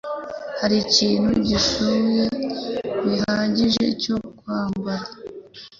hari ikintu gisukuye bihagije cyo kwambara.